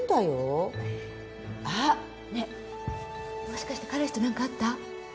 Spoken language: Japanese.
もしかして彼氏と何かあった？